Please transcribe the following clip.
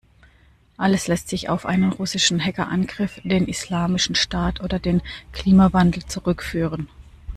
Alles lässt sich auf einen russischen Hackerangriff, den Islamischen Staat oder den Klimawandel zurückführen.